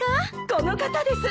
この方です！